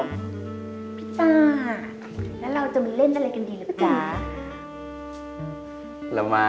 พี่ต้าแล้วเราจะมาเล่นอะไรกันดีล่ะจ๊ะ